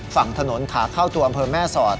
ฝั่งถนนขาเข้าตัวอำเภอแม่สอด